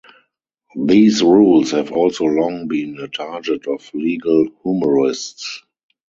These rules have also long been a target of legal humorists.